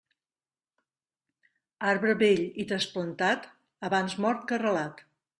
Arbre vell i trasplantat, abans mort que arrelat.